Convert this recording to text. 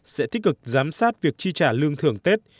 sẽ tích cực giám sát việc chi trả lương thưởng tết